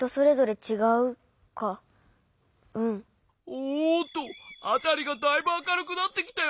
おっとあたりがだいぶあかるくなってきたよ。